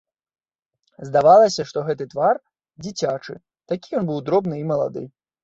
Здавалася, што гэты твар дзіцячы, такі ён быў дробны і малады.